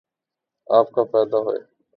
آپ کب پیدا ہوئے